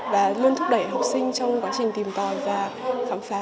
và luôn thúc đẩy học sinh trong quá trình tìm tòi và khám phá